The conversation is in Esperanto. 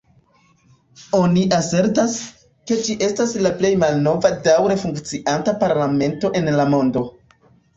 Oni asertas, ke ĝi estas la plej malnova daŭre funkcianta parlamento en la mondo.